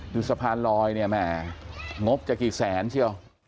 สะพานลอยเนี่ยแหมงบจะกี่แสนเชียว